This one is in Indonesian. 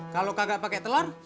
kalau kagak pakai telur